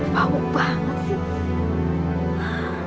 bau banget sih